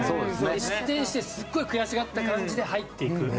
失点してすごい悔しがっていた感じで入っていく。